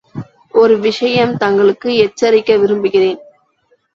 ஒரு விஷயம் தங்களுக்கு எச்சரிக்க விரும்புகிறேன்.